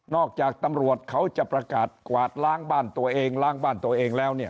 นอกจากตำรวจเขาจะประกาศกวาดล้างบ้านตัวเอง